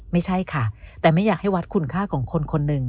ไม่ใช่ค่ะแต่ไม่อยากให้วัดคุณค่าของคนคนหนึ่ง